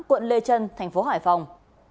quận lê trân tp hải phòng